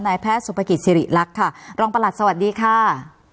แพทย์สุภกิจสิริรักษ์ค่ะรองประหลัดสวัสดีค่ะ